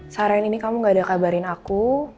seharian ini kamu gak ada kabarin aku